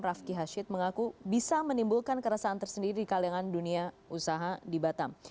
rafki hashid mengaku bisa menimbulkan keresahan tersendiri di kalangan dunia usaha di batam